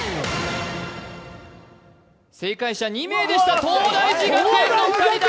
正解者２名でした、東大寺学園の２人だ！